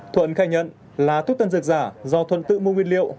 thuận khai nhận là thuốc tân dược giả do thuận tự mua nguyên liệu